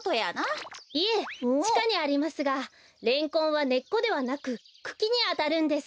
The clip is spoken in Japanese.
いえちかにありますがレンコンはねっこではなくくきにあたるんです。